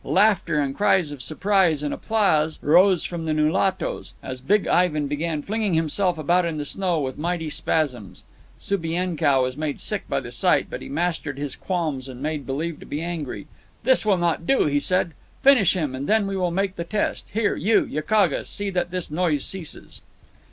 Laughter and cries of surprise and applause arose from the Nulatos, as Big Ivan began flinging himself about in the snow with mighty spasms. Subienkow was made sick by the sight, but he mastered his qualms and made believe to be angry. "This will not do," he said. "Finish him, and then we will make the test. Here, you, Yakaga, see that his noise ceases."